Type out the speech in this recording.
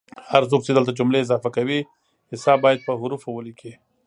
هر څوک چې دلته جملې اضافه کوي حساب باید په حوفو ولیکي